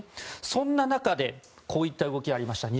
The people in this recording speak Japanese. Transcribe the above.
そんな中でこういった動きがありました。